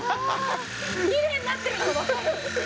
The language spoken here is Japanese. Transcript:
きれいになってるのがわかる。